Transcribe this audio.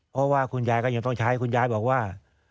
เพราะว่าคุณยายก็ยังต้องใช้คุณยายบอกว่า